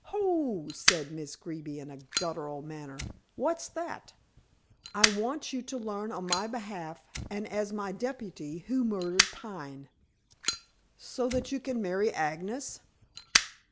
"Ho!" said Miss Greeby in a guttural manner. "What's that?" "I want you to learn on my behalf, and as my deputy, who murdered Pine." "So that you can marry Agnes?"